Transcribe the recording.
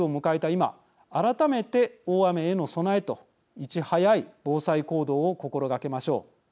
今改めて大雨への備えといち早い防災行動を心がけましょう。